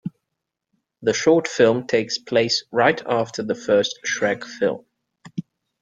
The short film takes place right after the first Shrek film.